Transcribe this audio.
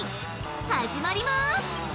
始まります！